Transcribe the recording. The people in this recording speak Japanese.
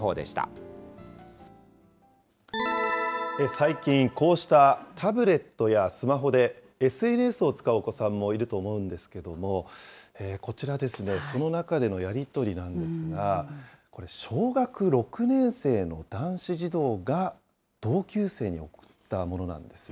最近、こうしたタブレットやスマホで、ＳＮＳを使うお子さんもいると思うんですけれども、こちらですね、その中でのやり取りなんですが、これ、小学６年生の男子児童が同級生に送ったものなんですね。